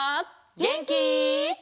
げんき？